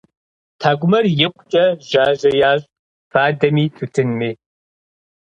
ТхьэкӀумэр икъукӀэ жьажьэ ящӀ фадэми тутынми.